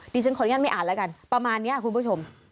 ดิฉันขออนุญาตไม่อ่านแล้วกันประมาณนี้คุณผู้ชม